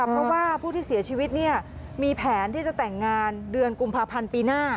เพราะว่าผู้ที่เสียชีวิตมีแผนที่จะแต่งงานเดือนกุมภาพันธ์ปีหน้า